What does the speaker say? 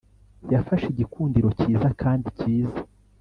Yafashe igikundiro cyiza kandi cyiza